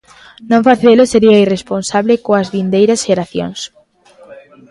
Non facelo sería irresponsable coas vindeiras xeracións.